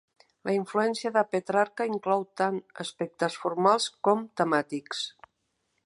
La influència de Petrarca inclou tant aspectes formals com temàtics.